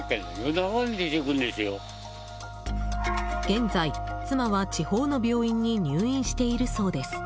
現在、妻は地方の病院に入院しているそうです。